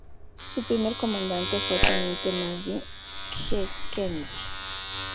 Su primer comandante fue el teniente Marvin G. Kennedy.